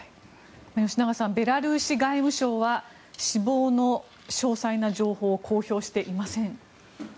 吉永さんベラルーシ外務省は死亡の詳細な情報を公開していません。